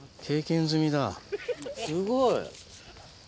すごい。